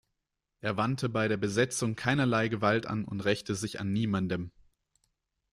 Er wandte bei der Besetzung keinerlei Gewalt an und rächte sich an niemandem.